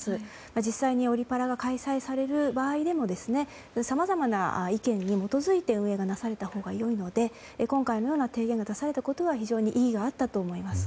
実際にオリパラが開催される場合でもさまざまな意見に基づいて運営がなされたほうが良いので今回のような提言が出されたことは非常に意義があったと思います。